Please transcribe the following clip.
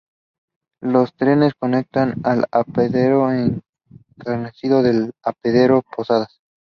Los trenes conectan el apeadero Encarnación con el apeadero Posadas.